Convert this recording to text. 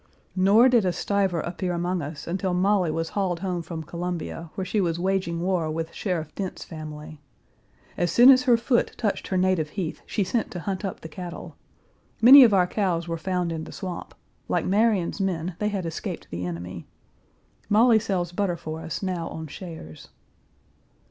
Nor did a stiver appear among us until Molly was hauled home from Columbia, where she was waging war with Sheriff Dent's family. As soon as her foot touched her native heath, she sent to hunt up the cattle. Many of our cows were found in the swamp; like Marion's men they had escaped the enemy. Molly sells butter for us now on shares.